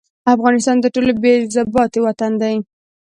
افغانستان تر ټولو بې ضابطې وطن دي.